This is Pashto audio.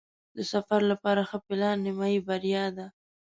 د سفر لپاره ښه پلان نیمایي بریا ده.